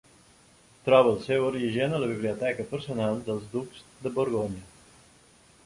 Troba el seu origen a la biblioteca personal dels ducs de Borgonya.